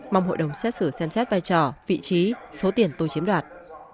mong hội đồng xét xử xem xét vai trò vị trí số tiền tôi chiếm đoạt